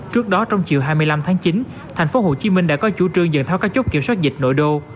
trước đó trong chiều hai mươi năm tháng chín thành phố hồ chí minh đã có chủ trương dần tháo các chốt kiểm soát dịch nội đô